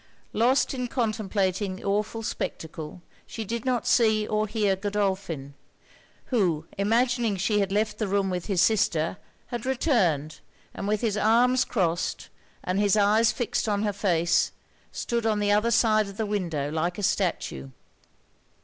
Lost in contemplating the awful spectacle, she did not see or hear Godolphin; who imagining she had left the room with his sister, had returned, and with his arms crossed, and his eyes fixed on her face, stood on the other side of the window like a statue.